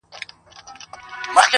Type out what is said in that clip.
چي د رقیب له سترګو لیري دي تنها ووینم!!